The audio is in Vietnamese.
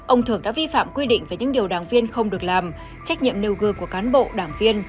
ông thưởng đã vi phạm quy định về những điều đảng viên không được làm trách nhiệm nêu gương của cán bộ đảng viên